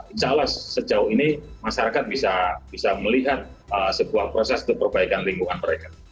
insya allah sejauh ini masyarakat bisa melihat sebuah proses untuk perbaikan lingkungan mereka